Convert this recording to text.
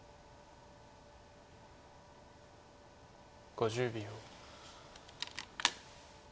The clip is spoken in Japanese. ５０秒。